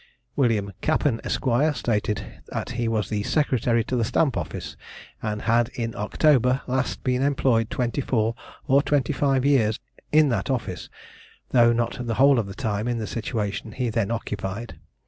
William Kappen, Esq. stated that he was secretary to the Stamp office, and had in October last been employed twenty four or twenty five years in that office, though not the whole of the time in the situation he then occupied.